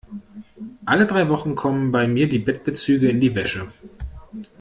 Alle drei Wochen kommen bei mir die Bettbezüge in die Wäsche.